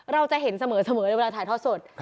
เราจะเห็นเสมอในเวลาถ่ายทอดสด